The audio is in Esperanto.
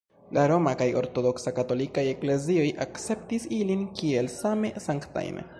La Roma kaj Ortodoksa katolikaj eklezioj akceptis ilin kiel same sanktajn.